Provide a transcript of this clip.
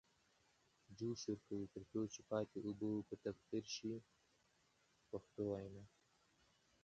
جوش ورکوي تر څو چې پاتې اوبه یې تبخیر شي په پښتو وینا.